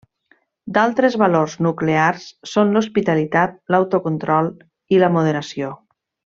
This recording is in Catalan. D'altres valors nuclears són l'hospitalitat l'autocontrol i la moderació.